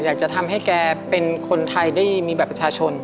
อยากจะทำให้แกเป็นคนไทยได้มีบัตรประชาชน